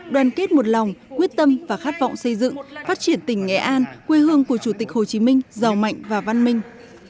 đoàn kết một lòng quyết tâm và khát vọng xây dựng phát triển tỉnh nghệ an quê hương của chủ tịch hồ chí minh giàu mạnh và văn minh